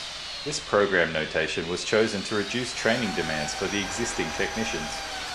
This program notation was chosen to reduce training demands for the existing technicians.